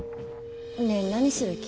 ねえ何する気？